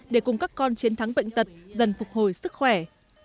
để cùng các con chiến thắng bệnh tật dần phục hồi sức khỏe